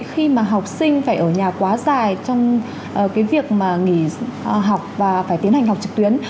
khi mà học sinh phải ở nhà quá dài trong cái việc mà nghỉ học và phải tiến hành học trực tuyến